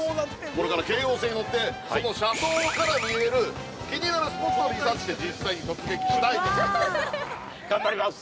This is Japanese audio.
これから京王線に乗って車窓から見える気になるスポットをリサーチして突撃したいです。